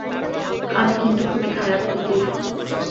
আমি কিন্তু খুবই খারাপ কুকুর।